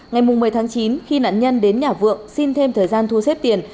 ngày một mươi tháng chín khi nạn nhân đến nhà vượng xin thêm thời gian thu xếp tiền